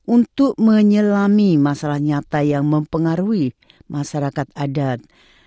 untuk menyelami masalah nyata yang mempengaruhi masyarakat adat